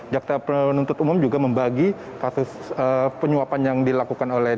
jaksa penuntut umum juga membagi kasus penyuapan yang dilakukan oleh